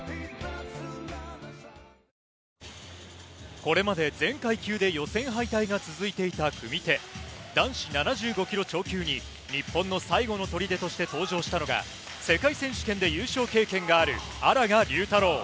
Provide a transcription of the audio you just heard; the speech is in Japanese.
これまで全階級で予選敗退が続いていた組手、男子７５ｋｇ超級に日本の最後の砦として登場したのが世界選手権で優勝経験がある荒賀龍太郎。